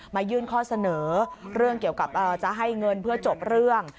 ยื่นข้อเสนอเรื่องเกี่ยวกับจะให้เงินเพื่อจบเรื่อง